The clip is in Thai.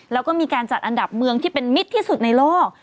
แล้วก็มีการจัดอันดับเมืองที่เป็นมิตรที่สุดในโลก